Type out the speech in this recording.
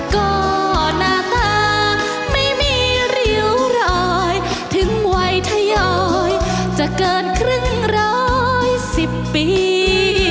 ก็หน้าเธอไม่มีริ้วร้อยถึงวัยทะยอยจะเกินครึ่งร้อยสิบปี